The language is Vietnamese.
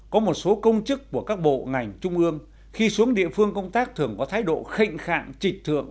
có một số công chức của các bộ ngành trung ương khi xuống địa phương công tác thường có thái độ khệnh khạng trịch thượng